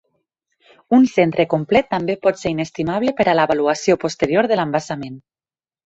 Un centre complet també pot ser inestimable per a l'avaluació posterior de l'embassament.